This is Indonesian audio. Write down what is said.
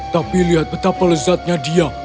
tapi lihat betapa lezatnya dia